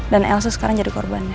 dan elsa sekarang jadi korbannya